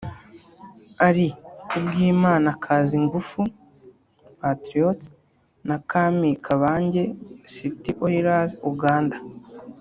Ally Kubwimana Kazingufu (Patriots) na Kami Kabange (City Oilers-Uganda)